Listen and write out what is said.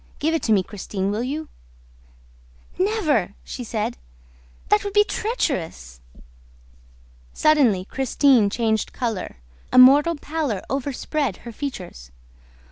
Give it to me, Christine, will you?" "Never!" she said. "That would be treacherous!" Suddenly Christine changed color. A mortal pallor overspread her features.